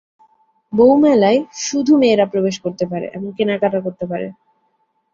বউ মেলায় শুধু মেয়েরা প্রবেশ করতে পারে এবং কেনাকাটা করতে পারে।